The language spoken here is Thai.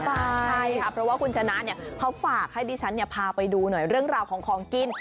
ใช่ค่ะเพราะว่าคุณชนะเขาฝากให้ดิฉันพาไปดูหน่อยเรื่องราวของของกิน